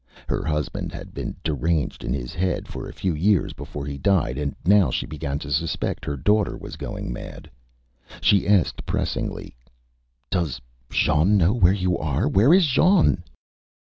Her husband had been Âderanged in his headÂ for a few years before he died, and now she began to suspect her daughter was going mad. She asked, pressingly ÂDoes Jean know where you are? Where is Jean?